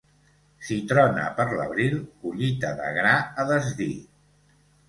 Si trona per l'abril, collita de gra a desdir.